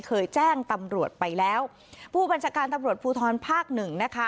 เคยแจ้งตำรวจไปแล้วผู้บัญชาการตำรวจภูทรภาคหนึ่งนะคะ